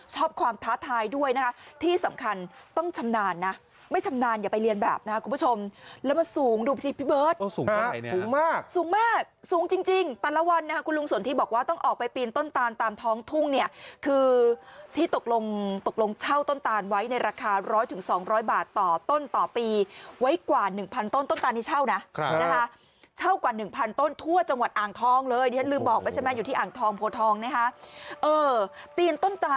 ชอบความท้าทายด้วยนะที่สำคัญต้องชำนาญนะไม่ชำนาญอย่าไปเรียนแบบนะครับคุณผู้ชมแล้วมาสูงดูพี่เบิร์ตสูงมากสูงมากสูงจริงจริงแต่ละวันนะคุณลุงสนที่บอกว่าต้องออกไปปีนต้นตานตามท้องทุ่งเนี่ยคือที่ตกลงตกลงเช่าต้นตานไว้ในราคาร้อยถึงสองร้อยบาทต่อต้นต่อปีไว้กว่าหนึ่งพันต้นต้